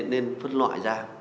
nên phân loại ra